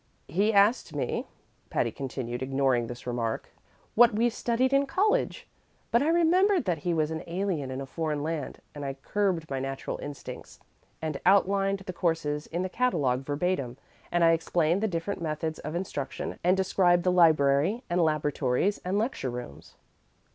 "He asked me," Patty continued, ignoring this remark, "what we studied in college! But I remembered that he was an alien in a foreign land, and I curbed my natural instincts, and outlined the courses in the catalogue verbatim, and I explained the different methods of instruction, and described the library and laboratories and lecture rooms."